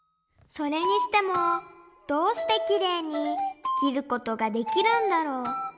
それにしてもどうしてきれいに切ることができるんだろう？